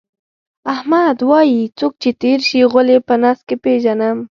احمد وایي: څوک چې تېر شي، غول یې په نس کې پېژنم.